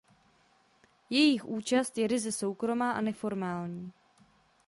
Jejich účast je ryze soukromá a neformální.